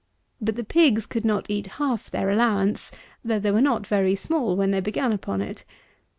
But the pigs could not eat half their allowance, though they were not very small when they began upon it.